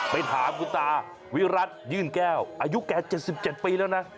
ไปถามคุณตาวิรัติยื่นแก้วอายุแก่๗๗ปีแล้วนะ